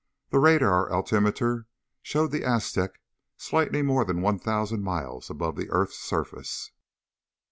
The radar altimeter showed the Aztec slightly more than one thousand miles above the earth's surface.